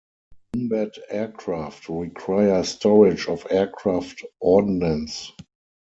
Combat aircraft require storage of aircraft ordnance.